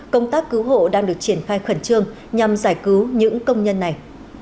công tác cứu hộ đang được triển khai khẩn trương nhằm giải cứu những công nhân này